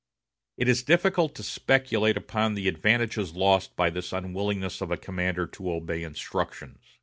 It is difficult to speculate upon the advantages lost by this unwillingness of a commander to obey instructions.